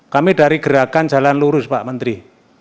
kami dari gerakan jalan lurus pak menteri